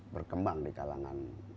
berkembang di kalangan